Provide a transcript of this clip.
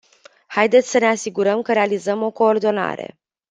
Haideți să ne asigurăm că realizăm o coordonare.